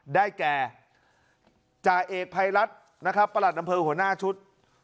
ได้แก่จ่าเอกภัยรัฐนะครับประหลัดอำเภอหัวหน้าชุด